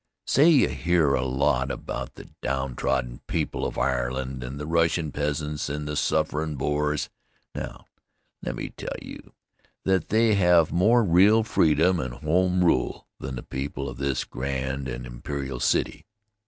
Say, you hear a lot about the downtrodden people of Ireland and the Russian peasants and the sufferin' Boers. Now, let me tell you that they have more real freedom and home rule than the people of this grand and imperial city.